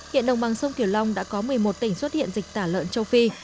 hiện đồng bằng sông kiều long đã có một mươi một tỉnh xuất hiện dịch tả lợn châu phi